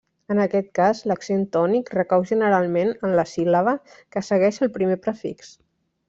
En aquest cas, l'accent tònic recau generalment en la síl·laba que segueix el primer prefix.